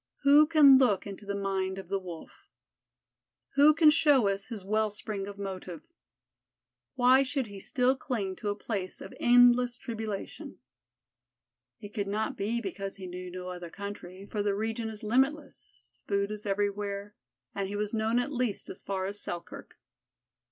Who can look into the mind of the Wolf? Who can show us his wellspring of motive? Why should he still cling to a place of endless tribulation? It could not be because he knew no other country, for the region is limitless, food is everywhere, and he was known at least as far as Selkirk.